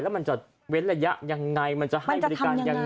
แล้วมันจะเว้นระยะยังไงมันจะให้บริการยังไง